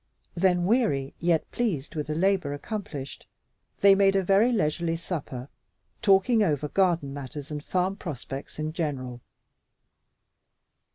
Then, weary, yet pleased with the labor accomplished, they made a very leisurely supper, talking over garden matters and farm prospects in general.